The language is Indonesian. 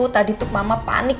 tadi tuh mama panik